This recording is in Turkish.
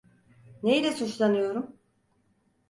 Neyle suçlanıyorum?